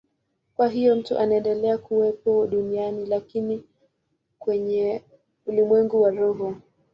Kwa hiyo mtu anaendelea kuwepo duniani, lakini kwenye ulimwengu wa roho.